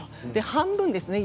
半分ですね。